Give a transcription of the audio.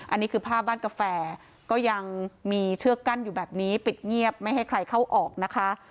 อันนี้คือภาพบ้านกาแฟก็ยังมีเชือกกั้นอยู่แบบนี้ปิดเงียบไม่ให้ใครเข้าออกนะคะ